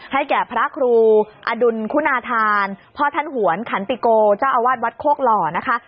แก่พระครูอดุลคุณาธานพ่อท่านหวนขันติโกเจ้าอาวาสวัดโคกหล่อนะคะ